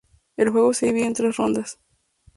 El juego se divide en tres rondas.